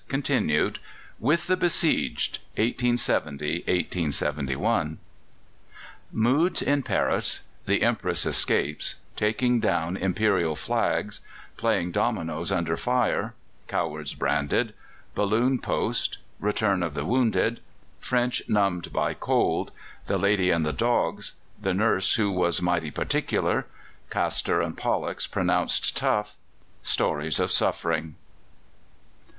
CHAPTER XVIII THE SIEGE OF PARIS Continued WITH THE BESIEGED (1870 1871) Moods in Paris The Empress escapes Taking down Imperial flags Playing dominoes under fire Cowards branded Balloon post Return of the wounded French numbed by cold The lady and the dogs The nurse who was mighty particular Castor and Pollux pronounced tough Stories of suffering.